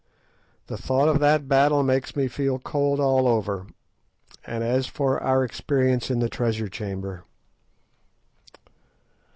The thought of that battle makes me feel cold all over, and as for our experience in the treasure chamber—!